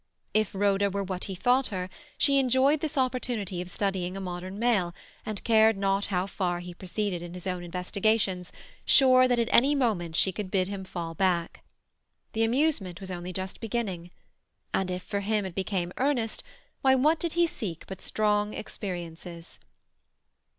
If Rhoda were what he thought her, she enjoyed this opportunity of studying a modern male, and cared not how far he proceeded in his own investigations, sure that at any moment she could bid him fall back. The amusement was only just beginning. And if for him it became earnest, why what did he seek but strong experiences?